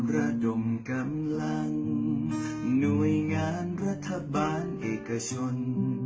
ระดมกำลังหน่วยงานรัฐบาลเอกชน